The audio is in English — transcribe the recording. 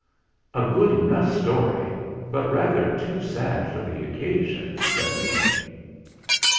"A good enough story, but rather too sad for the occasion," said the King.